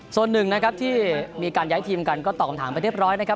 ส่วนหนึ่งนะครับที่มีการย้ายทีมกันก็ตอบคำถามไปเรียบร้อยนะครับ